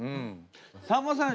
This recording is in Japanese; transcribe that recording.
さんまさん